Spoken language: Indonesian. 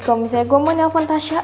kalau misalnya gue mau nelfon tasha